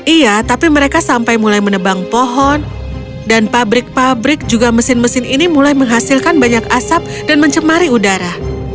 iya tapi mereka sampai mulai menebang pohon dan pabrik pabrik juga mesin mesin ini mulai menghasilkan banyak asap dan mencemari udara